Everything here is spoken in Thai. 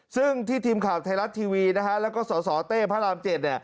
ซึ่งที่ทีมข่าวไทยรัฐทีวีและส่อเต้พระรามเจ็ด